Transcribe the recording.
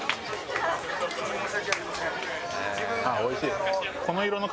あぁおいしい。